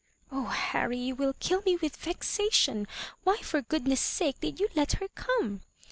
" Oh, Harry, you will kill me with vexation! why, for goodness' sake, did you let her come?